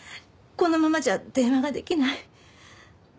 このままじゃ電話ができない。